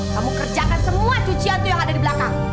kamu kerjakan semua cucian tuh yang ada di belakang